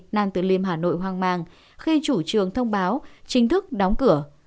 nam từ liêm hà nội hoang mang khi chủ trường thông báo chính thức đóng cửa